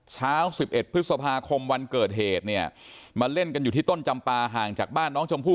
เช้า๑๑พฤษภาคมวันเกิดเหตุเนี่ยมาเล่นกันอยู่ที่ต้นจำปาห่างจากบ้านน้องชมพู่